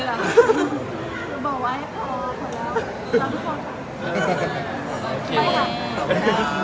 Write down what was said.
อเรนนี่ว่าที่เต็มประกาศเหมือนกันนะครับ